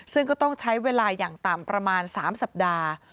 ซึ่งก็ต้องใช้เวลาอย่างต่ำประมาณ๓สัปดาห์